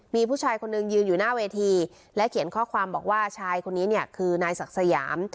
มีผู้ชายคนหนึ่งยืนอยู่หน้าเวทีและเขียนข้อความบอกว่าชายคนนี้เนี่ยคือนายศักดิ์สยาม